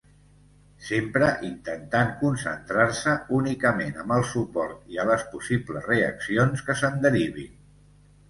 Sempre intentant concentrar-se únicament amb el suport i a les possibles reaccions que se'n derivin.